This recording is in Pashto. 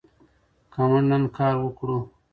که موږ نن کار وکړو.